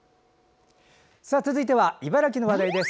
続いては茨城の話題です。